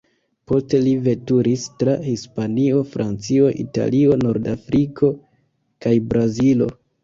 Poste li veturis tra Hispanio, Francio, Italio, Nordafriko kaj Brazilo.